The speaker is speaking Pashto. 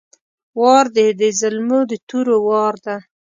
وار ده د زلمو د تورو وار ده!